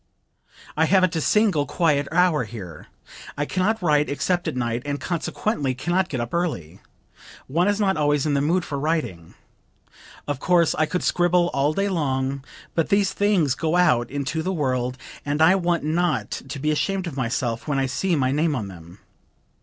"I haven't a single quiet hour here. I can not write except at night and consequently can not get up early. One is not always in the mood for writing. Of course I could scribble all day long, but these things go out into the world and I want not to be ashamed of myself when I see my name on them.